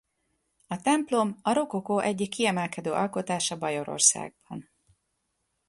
A templom a rokokó egyik kiemelkedő alkotása Bajorországban.